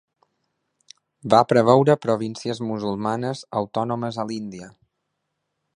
Va preveure províncies musulmanes autònomes a l'Índia.